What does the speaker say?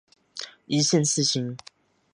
一线四星。